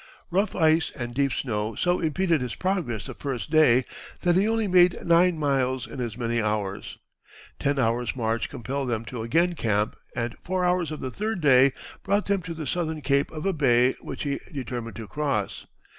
Rough ice and deep snow so impeded his progress the first day that he only made nine miles in as many hours. Ten hours' march compelled them to again camp, and four hours of the third day brought them to the southern cape of a bay which he determined to cross.